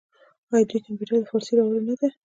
آیا دوی کمپیوټر ته فارسي راوړې نه ده؟